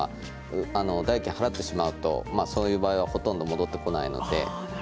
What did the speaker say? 代金を払ってしまうとそういう場合はほとんど戻ってこないので。